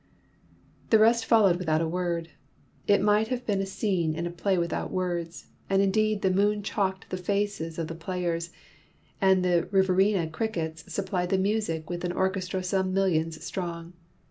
The rest followed without a word. It might have been a scene in a play without words, and indeed the moon chalked the faces of the players, and the Riverina crickets supplied the music with an orchestra some millions strong.